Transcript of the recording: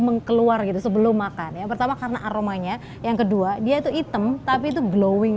mengkeluar gitu sebelum makan yang pertama karena aromanya yang kedua dia itu hitam tapi itu glowing